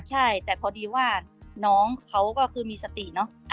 ใช่แต่พอดีว่าน้องเขาก็คือมีสติเนอะ